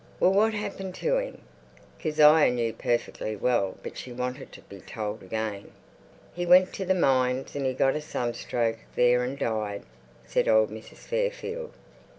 "Well, what happened to him?" Kezia knew perfectly well, but she wanted to be told again. "He went to the mines, and he got a sunstroke there and died," said old Mrs. Fairfield.